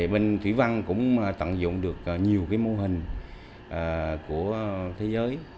bên thủy văn cũng tận dụng được nhiều mô hình của thế giới